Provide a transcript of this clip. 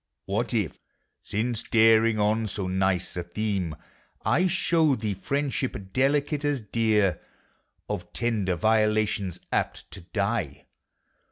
. What if (since daring on so nice a theme) 1 show thee friendship delicate, as dear, Digitiz FRIENDSHIP. 341 Of tender violations apt to die?